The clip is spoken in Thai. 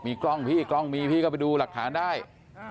กล้องพี่กล้องมีพี่ก็ไปดูหลักฐานได้